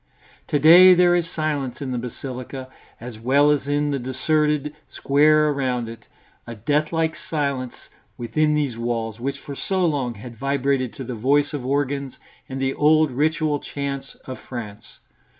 To day there is silence in the basilica, as well as in the deserted square around it; a deathlike silence within these walls, which for so long had vibrated to the voice of organs and the old ritual chants of France.